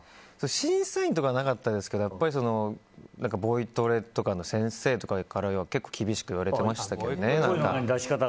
審査員とかはなかったですけどボイトレとかの先生とかからは結構、厳しく言われてましたね。